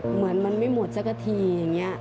เหมือนมันไม่หมดสักที